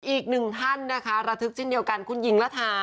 อีก๑ท่านนะคะระทึกที่เดียวกันคุณหญิงร่าฐา